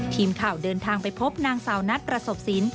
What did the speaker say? ทีมข่าวเดินทางไปพบนางสาวนัทประสบสิน